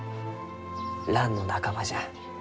ランの仲間じゃ。